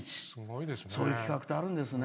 そういう企画ってあるんですね。